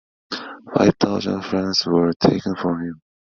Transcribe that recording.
Five thousand francs were taken from him.